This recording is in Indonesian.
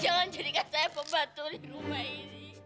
jangan jadikan saya pembantu di rumah ini